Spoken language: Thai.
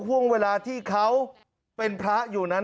ห่วงเวลาที่เขาเป็นพระอยู่นั้น